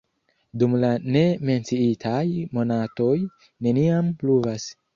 Dum la ne menciitaj monatoj neniam pluvas.